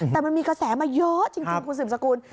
แต่มันมีกระแสมาเยอะจริงคุณสืบสกุล